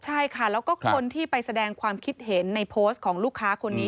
ใช่ค่ะแล้วก็คนที่ไปแสดงความคิดเห็นในโพสต์ของลูกค้าคนนี้